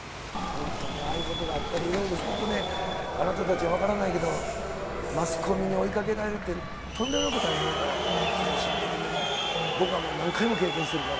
本当にああいうことがあったり、あなたたちは分からないけれども、マスコミに追いかけられるって、とんでもなく大変だから、精神的にも、僕はもう、何回も経験してるから。